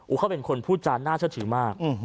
เขาเป็นคนพูดจานน่าเชื่อถือมาก